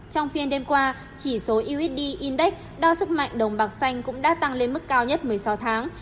trong phiên đêm qua chỉ số usd index đo sức mạnh đồng bạc xanh cũng đã tăng lên mức cao nhất một mươi sáu tháng